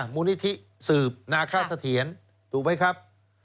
มูลนิธิสืบนาคาเสถียรถูกไหมครับ